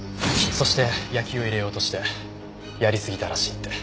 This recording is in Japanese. そしてヤキを入れようとしてやりすぎたらしいって。